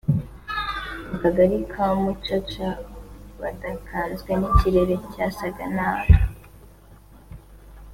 mu kagari ka Mucaca badakanzwe n’ikirere cyasaga nabi